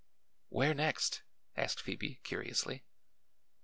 "Where next?" asked Phoebe curiously.